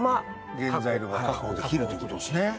原材料が確保できるということですね。